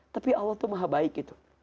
tapi allah tuh maha baik gitu